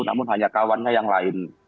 namun hanya kawannya yang lain